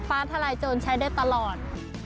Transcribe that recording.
ทลายโจรใช้ได้ตลอด